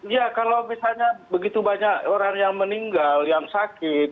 ya kalau misalnya begitu banyak orang yang meninggal yang sakit